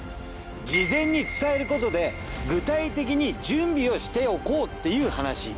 事前に伝えることで具体的に準備をしておこうっていう話。